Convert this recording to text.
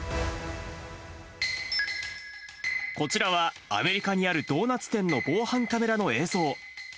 こちらは、アメリカにあるドーナツ店の防犯カメラの映像。